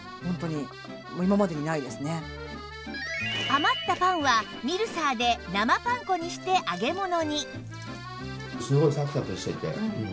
余ったパンはミルサーで生パン粉にして揚げ物に